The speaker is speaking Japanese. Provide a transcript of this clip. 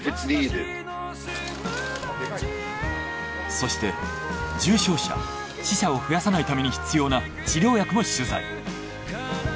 そして重症者死者を増やさないために必要な治療薬も取材。